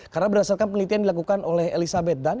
karena berdasarkan penelitian yang dilakukan oleh elizabeth dunn